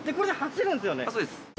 そうです。